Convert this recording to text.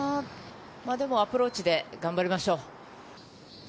アプローチで頑張りましょう。